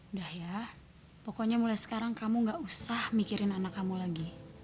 udah ya pokoknya mulai sekarang kamu gak usah mikirin anak kamu lagi